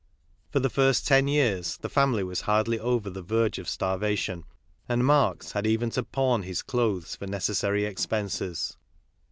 For the first ten years, the famify was hardly over the verge of starvation, and Marx had even to pawn his clothes for necessary ex penses.